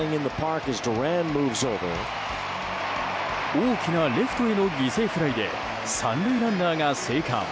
大きなレフトへの犠牲フライで３塁ランナーが生還。